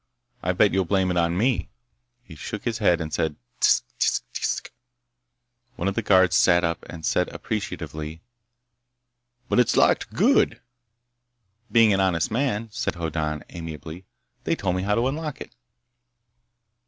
I bet you'll blame it on me!" He shook his head and said "Tsk. Tsk. Tsk." One of the guards sat up and said appreciatively: "But it's locked. Good." "Being an honest man," said Hoddan amiably, "they told me how to unlock it."